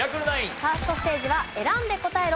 ファーストステージは選んで答えろ！